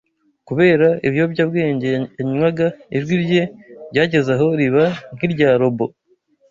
kubera ibiyobyabwenge yanywaga ijwi rye ryageze aho riba nk’irya robo